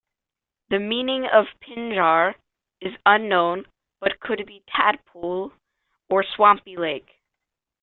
The meaning of Pinjar is unknown, but could be "tadpole" or "swampy lake".